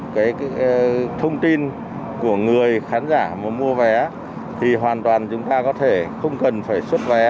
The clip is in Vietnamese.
cái thông tin của người khán giả muốn mua vé thì hoàn toàn chúng ta có thể không cần phải xuất vé